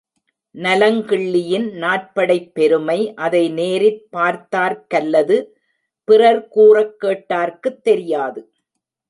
நலங்கிள்ளியின் நாற்படைப் பெருமை அதை நேரிற் பார்த்தார்க்கல்லது, பிறர் கூறக் கேட்டார்க்குத் தெரியாது.